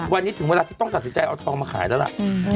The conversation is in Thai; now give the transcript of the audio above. วันนี้ถึงเวลาที่ต้องตัดสินใจเอาทองมาขายแล้วล่ะ